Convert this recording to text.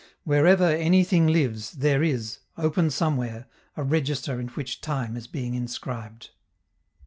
_Wherever anything lives, there is, open somewhere, a register in which time is being inscribed.